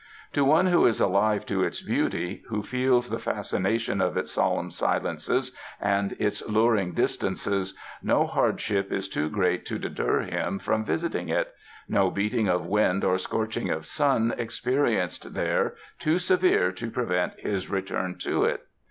To one who is alive to its beauty, who feels the fascination of its solemn silences and its luring distances, no hardship is too great to de ter him from visiting it; no beating of wind or scorching of sun experienced there too severe to prevent his return to it.